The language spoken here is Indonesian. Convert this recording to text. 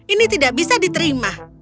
ini tidak bisa diterima